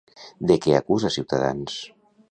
De què acusa Ciutadans?